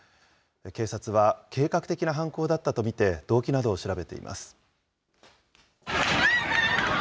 警察は計画的な犯行だったと見て、動機などを調べています。